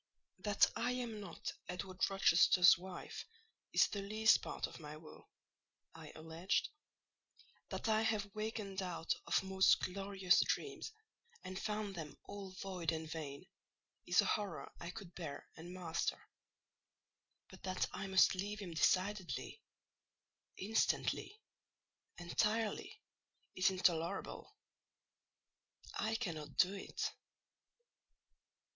"That I am not Edward Rochester's bride is the least part of my woe," I alleged: "that I have wakened out of most glorious dreams, and found them all void and vain, is a horror I could bear and master; but that I must leave him decidedly, instantly, entirely, is intolerable. I cannot do it."